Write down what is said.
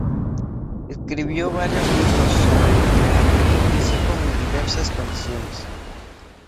Escribió varios libros sobre el entrenamiento físico en diversas condiciones.